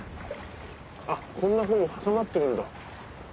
あっこんなふうに挟まってるんだ。